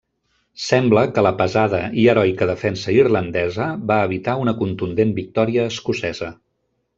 Sembla que la pesada i heroica defensa irlandesa va evitar una contundent victòria escocesa.